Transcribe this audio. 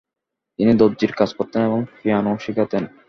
তিনি দর্জির কাজ করতেন এবং পিয়ানো শিখাতেন।